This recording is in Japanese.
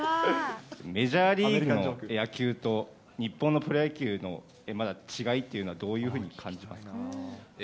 メジャーリーグの野球と、日本のプロ野球の違いというのは、どういうふうに感じますか。